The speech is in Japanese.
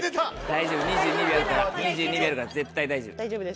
大丈夫２２秒あるから２２秒あるから絶対大丈夫。